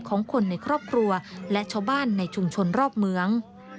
ของคนในครอบครัวและชาวบ้านในชุมชนรอบเมือง